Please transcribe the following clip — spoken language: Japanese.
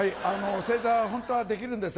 正座はホントはできるんです。